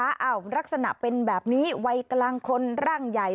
อ้าวลักษณะเป็นแบบนี้วัยกลางคนร่างใหญ่